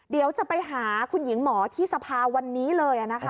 เดี๋ยวจะไปหาคุณหญิงหมอที่สภาวันนี้เลย